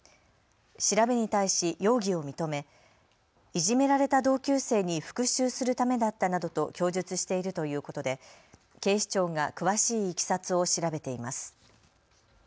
調べに対し容疑を認めいじめられた同級生に復しゅうするためだったなどと供述しているということで警視庁が詳しいいきさつを調べています。